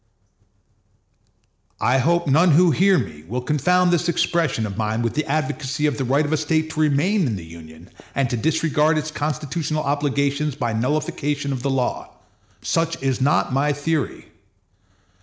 I hope none who hear me will confound this expression of mine with the advocacy of the right of a State to remain in the Union, and to disregard its constitutional obligations by the nullification of the law. Such is not my theory.